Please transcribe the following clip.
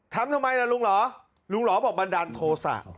ทำทำไมล่ะลุงหลอลุงหลอบอกบันดาลโทษอ่ะ